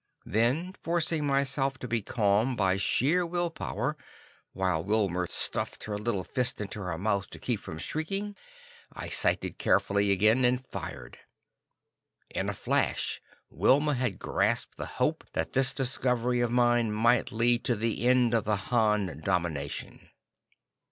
Then, forcing myself to be calm by sheer will power, while Wilma stuffed her little fist into her mouth to keep from shrieking, I sighted carefully again and fired. In a flash, Wilma had grasped the hope that this discovery of mine might lead to the end of the Han domination.